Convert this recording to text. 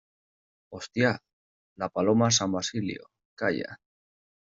¡ hostia, la Paloma San Basilio! ¡ calla !